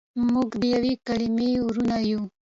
موږ دیوې کلیمې وړونه یو.